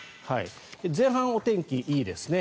前半はお天気いいですね。